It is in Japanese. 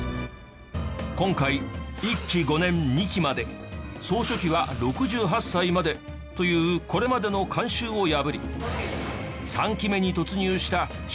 今回１期５年２期まで総書記は６８歳までというこれまでの慣習を破り。